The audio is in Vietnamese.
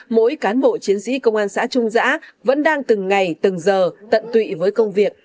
mỗi cán bộ chiến sĩ công an xã trung giã vẫn đang từng ngày từng giờ tận tụy với công việc